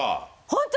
ホント？